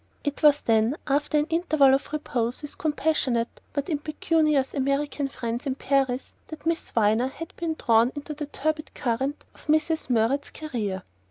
It was then after an interval of repose with compassionate but impecunious American friends in Paris that Miss Viner had been drawn into the turbid current of Mrs. Murrett's career.